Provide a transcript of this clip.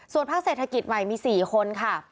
ภาคเศรษฐกิจใหม่มี๔คนค่ะ